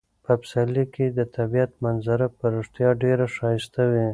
په پسرلي کې د طبیعت منظره په رښتیا ډیره ښایسته وي.